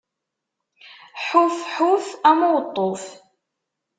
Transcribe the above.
Ḥuf, ḥuf, am uweṭṭuf!